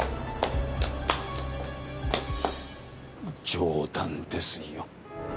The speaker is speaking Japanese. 冗談ですよ。